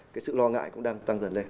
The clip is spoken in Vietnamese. cái sự lo ngại cũng đang tăng dần lên